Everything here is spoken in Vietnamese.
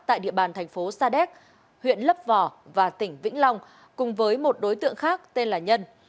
tại địa bàn thành phố sa đéc huyện lấp vò và tỉnh vĩnh long cùng với một đối tượng khác tên là nhân